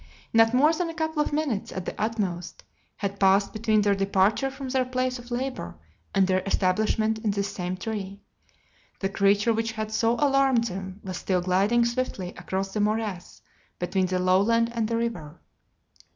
Not more than a couple of minutes, at the utmost, had passed between their departure from their place of labor and their establishment in this same tree. The creature which had so alarmed them was still gliding swiftly across the morass between the lowland and the river.